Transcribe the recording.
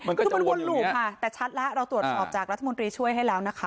คือมันวนหลูบค่ะแต่ชัดแล้วเราตรวจสอบจากรัฐมนตรีช่วยให้แล้วนะคะ